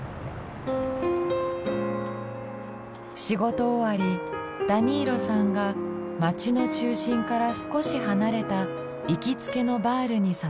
仕事終わりダニーロさんが街の中心から少し離れた行きつけのバールに誘ってくれた。